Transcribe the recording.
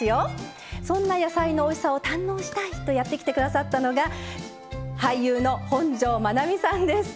そんな野菜のおいしさを堪能したいとやって来て下さったのが俳優の本上まなみさんです。